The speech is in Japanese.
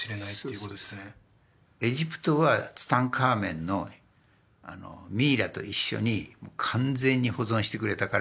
そうですエジプトはツタンカーメンのミイラと一緒に完全に保存してくれたから残ったけどさ